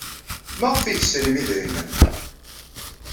Maɣef ay tesrim idrimen?